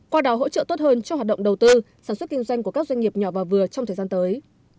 qua đó hỗ trợ tốt hơn cho hoạt động đầu tư sản xuất kinh doanh của các doanh nghiệp nhỏ và vừa trong thời gian tới